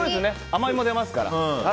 甘みも出ますから。